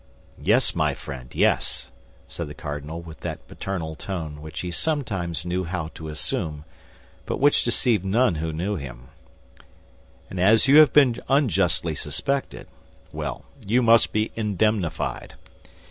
"Yes, my friend, yes," said the cardinal, with that paternal tone which he sometimes knew how to assume, but which deceived none who knew him; "and as you have been unjustly suspected, well, you must be indemnified.